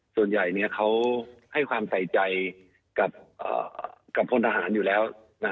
ส่วนใหญ่เขาให้ความใส่ใจกับพลทหารอยู่แล้ว